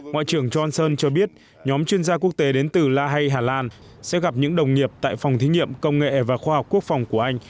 ngoại trưởng johnson cho biết nhóm chuyên gia quốc tế đến từ la hay hà lan sẽ gặp những đồng nghiệp tại phòng thí nghiệm công nghệ và khoa học quốc phòng của anh